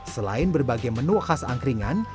selain berbagai menu khas angkringan